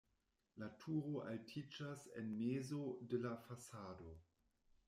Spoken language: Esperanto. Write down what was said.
La turo altiĝas en mezo de la fasado.